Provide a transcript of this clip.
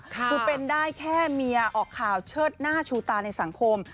คือเป็นได้แค่เมียออกข่าวเชิดหน้าชูตาในสังคม